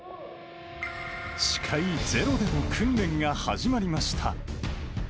視界ゼロでの訓練が始まりました。